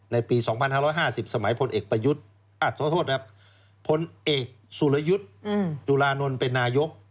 ในปี๒๕๕๐สมัยพลเอกสุรยุทธ์จุฬานนท์เป็นนายก